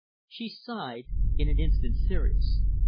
She sighed, in an instant serious.